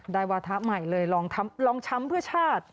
ได้วัฒน์ใหม่เลยรองช้ำเพื่อชาติ